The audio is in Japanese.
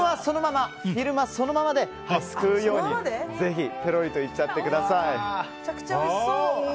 フィルムはそのままですくうようにぺろりといっちゃってください！